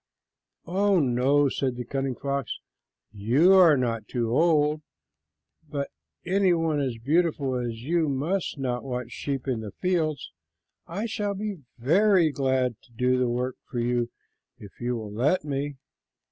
"Oh, no," said the cunning fox, "you are not old, but any one as beautiful as you must not watch sheep in the fields. I shall be very glad to do the work for you if you will let me."